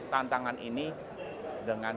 tantangan ini dengan